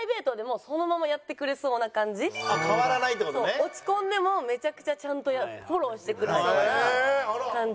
落ち込んでもめちゃくちゃちゃんとフォローしてくれそうな感じ。